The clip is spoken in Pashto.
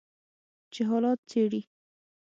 چې حالات څیړي